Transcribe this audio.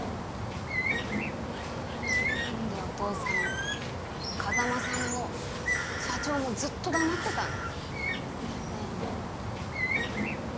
何でお父さんも風真さんも社長もずっと黙ってたの？ねぇ。